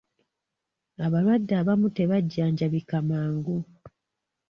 Abalwadde abamu tebajjanjabika mangu.